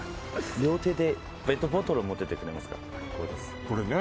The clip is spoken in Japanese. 両手でペットボトルを持っててくれますかこうです。